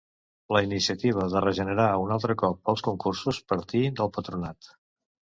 La iniciativa de regenerar un altre cop els concursos partí del Patronat.